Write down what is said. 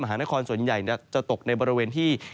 หานครส่วนใหญ่จะตกในบริเวณที่